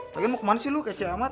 lagi mau kemana sih lo kece amat